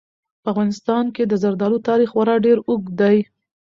په افغانستان کې د زردالو تاریخ خورا ډېر اوږد دی.